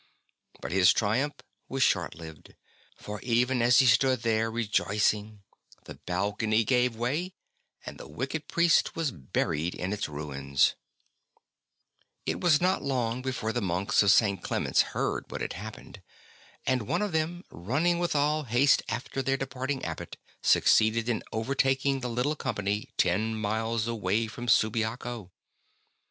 But his triumph was short lived, for, even as he stood there re joicing, the balcony gave way, and the wicked priest was buried in its ruins. // ST. BENEDICT 51 It was not long before the monks of St. Clement's heard what had happened, and one of them, running with all haste after their departing Abbot, succeeded in overtaking the little company, ten miles away from Subiaco.